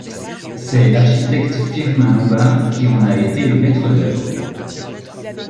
C'est l'architecte Firmin Lombard qui en a été le maître d'œuvre.